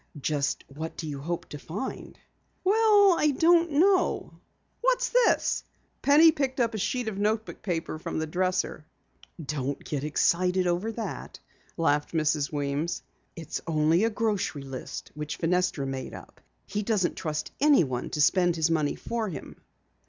"Just what do you hope to find?" "Well, I don't know. What's this?" Penny picked up a sheet of notebook paper from the dresser. "Don't get excited over that," laughed Mrs. Weems. "It's only a grocery list which Fenestra made up. He doesn't trust anyone to spend his money for him."